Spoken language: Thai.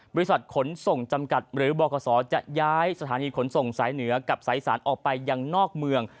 บริษัทขนส่งจำกัดหรือบขจะย้ายสถานีขนส่งสายเหนือกับสายสารออกไปยังนอกเมือง